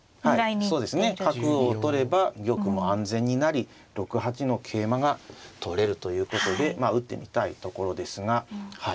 そうですね角を取れば玉も安全になり６八の桂馬が取れるということで打ってみたいところですがはい。